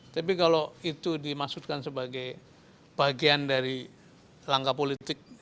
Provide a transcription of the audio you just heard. tapi kalau itu dimaksudkan sebagai bagian dari langkah politik